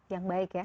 yang baik ya